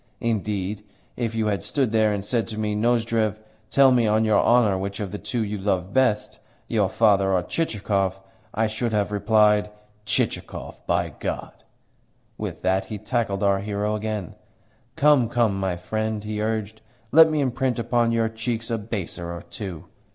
Indeed, if you had stood there and said to me, 'Nozdrev, tell me on your honour which of the two you love best your father or Chichikov?' I should have replied, 'Chichikov, by God!'" With that he tackled our hero again, "Come, come, my friend!" he urged. "Let me imprint upon your cheeks a baiser or two.